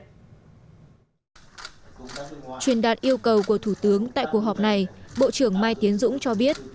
truyền đạt yêu cầu của thủ tướng tại cuộc họp này bộ trưởng mai tiến dũng cho biết